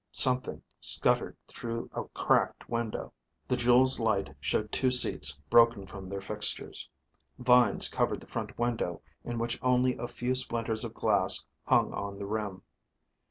Something scuttered through a cracked window. The jewel's light showed two seats broken from their fixtures. Vines covered the front window in which only a few splinters of glass hung on the rim.